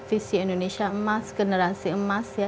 visi indonesia emas generasi emas ya